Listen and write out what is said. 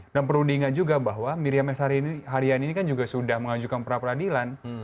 dan perlu diingat juga bahwa miriam s haryani kan juga sudah mengajukan perapradilan